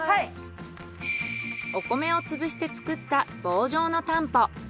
お米を潰して作った棒状のたんぽ。